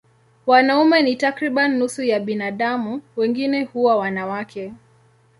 Wanaume ni takriban nusu ya binadamu, wengine huwa wanawake.